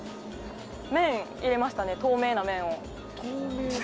麺入れましたね、透明な麺を。